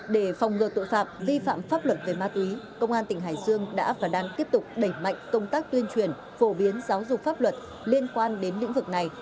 để phòng ngừa tội phạm vi phạm pháp luật về ma túy công an tỉnh hải dương đã và đang tiếp tục đẩy mạnh công tác tuyên truyền phổ biến giáo dục pháp luật liên quan đến lĩnh vực này